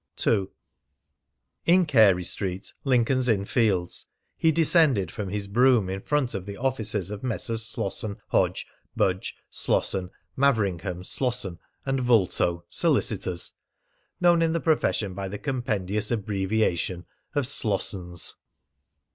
II. In Carey Street, Lincoln's Inn Fields, he descended from his brougham in front of the offices of Messrs. Slosson, Hodge, Budge, Slosson, Maveringham, Slosson, and Vulto, Solicitors, known in the profession by the compendious abbreviation of Slossons.